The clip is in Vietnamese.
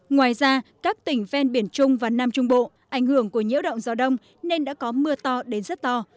ngoài ra các tỉnh ven biển trung và nam trung bộ ảnh hưởng của nhiễu động gió đông nên đã có mưa to đến rất to